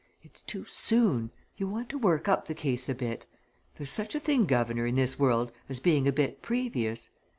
It's too soon. You want to work up the case a bit. There's such a thing, guv'nor, in this world as being a bit previous.